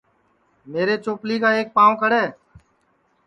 میرے چوپلی کا ایک پاو کڑے